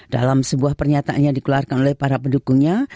dalam sebuah pernyataan yang dikeluarkan oleh para pendukungnya